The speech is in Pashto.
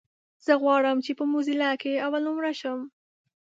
زه غواړم چې په موزيلا کې اولنومره شم.